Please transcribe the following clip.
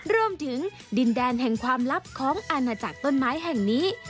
รวมถึงดินแดนแห่งความลับของอาณาจักรต้นไม้แห่งนี้